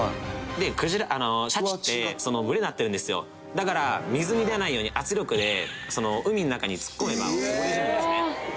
「だから水に出ないように圧力で海の中に突っ込めば溺れるんですね」